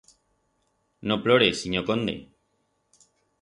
No plore, sinyor conde.